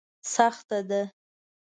سخته ده.